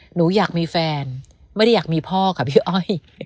หนูอยากมีแฟนไม่ได้อยากมีพ่อค่ะพี่อ้อย